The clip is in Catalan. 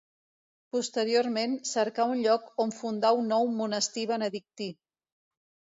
Posteriorment, cercà un lloc on fundar un nou monestir benedictí.